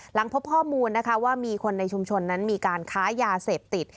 หลังพบข้อมูลนะคะว่ามีคนในชุมชนนั้นมีการค้ายาเสพติด